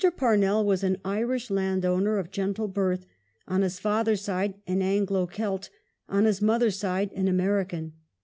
Parnell was an Irish landowner of gentle birth ; on his father's side an Anglo Celt, on his mother's an American.